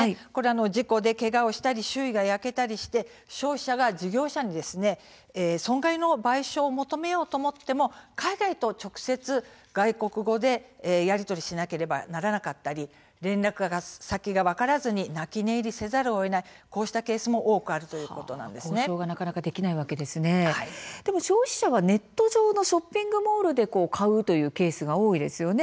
事故や、けがをしたり周囲が焼けてしまったりして消費者が事業者に損害賠償を求めようと思っても海外と直接、外国語でやり取りしなければいけなかったり連絡先が分からずに泣き寝入りせざるをえないこうしたケースも多くあるでも消費者はネット上のショッピングモールで買うというケースが多いですよね。